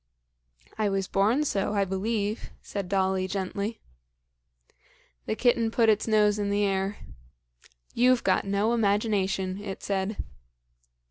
"I was born so, I believe," said Dolly gently. The kitten put its nose in the air. "You've got no imagination," it said.